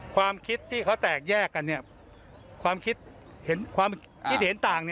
ความคิดที่เขาแตกแยกกันความคิดเห็นต่าง